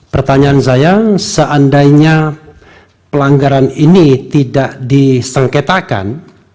pertanyaan saya seandainya pelanggaran ini tidak disengketakan